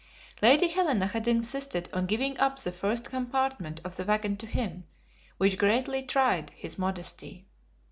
Lady Helena had insisted on giving up the first compartment of the wagon to him, which greatly tried his modesty.